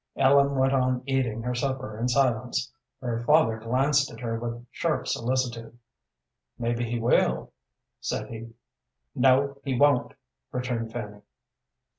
Ellen went on eating her supper in silence. Her father glanced at her with sharp solicitude. "Maybe he will," said he. "No, he won't," returned Fanny.